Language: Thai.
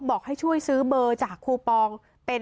บอกให้ช่วยซื้อเบอร์จากคูปองเป็น